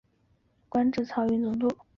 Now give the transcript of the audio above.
官至漕运总督。